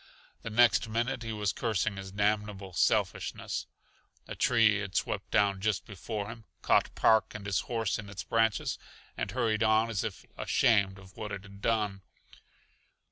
The next minute he was cursing his damnable selfishness. A tree had swept down just before him, caught Park and his horse in its branches and hurried on as if ashamed of what it had done.